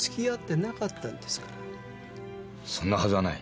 そんなはずはない。